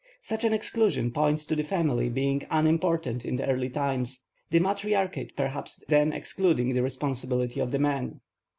Such an exclusion points to the family being unimportant in early times, the matriarchate perhaps then excluding the responsibility of the man.